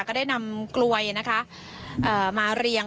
ก็ได้นำกลวยนะคะมาเรียง